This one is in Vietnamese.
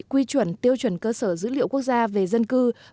quy chuẩn tiêu chuẩn cơ sở dữ liệu quốc gia về dân cư và cơ sở dữ liệu hộ tịch điện tử